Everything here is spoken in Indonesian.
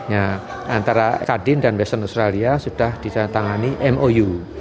ya antara kadin dan western australia sudah ditangani mou